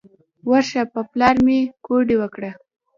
ورشه په پلار مې کوډې وکړه.